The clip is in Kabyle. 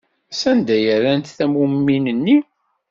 Sanda ay rrant tammumin-nni?